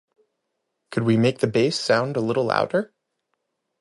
Could we make the bass sound a little louder?